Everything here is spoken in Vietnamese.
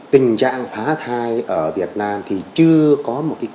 tình trạng phá thai ở việt nam thì chưa có một cuộc thay đổi